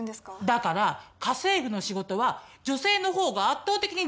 だから家政婦の仕事は女性のほうが圧倒的に需要があるからでしょ？